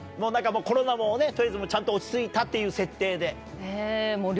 なんか、コロナもね、ちゃんと落ち着いたっていう設定で。